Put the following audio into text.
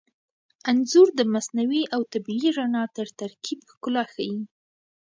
انځور د مصنوعي او طبیعي رڼا تر ترکیب ښکلا ښيي.